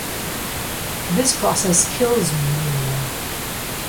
This process kills Mueller.